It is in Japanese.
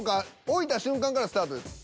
置いた瞬間からスタートです。